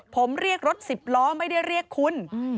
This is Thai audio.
ผมเรียกรถสิบล้อไม่ได้เรียกคุณ